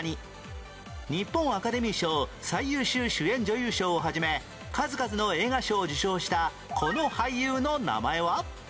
日本アカデミー賞最優秀主演女優賞を始め数々の映画賞を受賞したこの俳優の名前は？